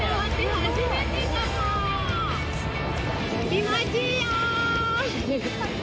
気持ちいいよ。